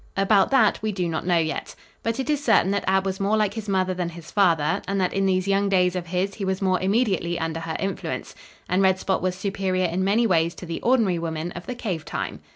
About that we do not know yet. But it is certain that Ab was more like his mother than his father, and that in these young days of his he was more immediately under her influence. And Red Spot was superior in many ways to the ordinary woman of the cave time.